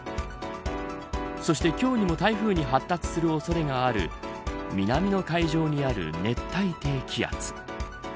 そして、今日にも台風に発達する恐れがある南の海上にある熱帯低気圧。